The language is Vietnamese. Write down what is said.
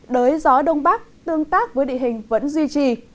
đới gió đông bắc tương tác với địa hình vẫn duy trì